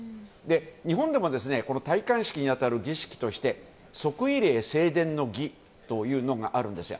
日本でも戴冠式に当たる儀式として即位礼正殿の儀というのがあるんですよ。